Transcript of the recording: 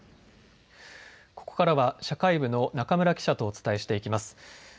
ここからは社会部の中村記者とお伝えしていきます。